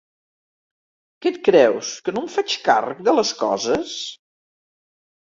Que et creus que no em faig càrrec de les coses?